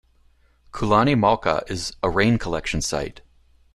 Kulani Mauka is a rain collection site.